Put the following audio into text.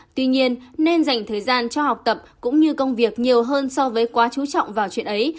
tuy nhiên nên dành thời gian cho học tập cũng như công việc nhiều hơn so với quá chú trọng vào chuyện ấy